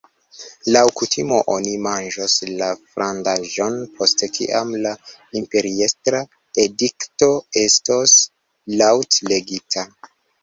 Laŭ kutimo oni manĝos la frandaĵon post kiam la imperiestra edikto estos laŭtlegita.